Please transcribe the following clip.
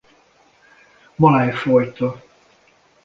Maláj fajta.